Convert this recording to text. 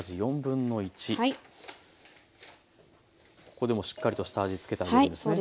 ここでもしっかりと下味付けてあげるんですね。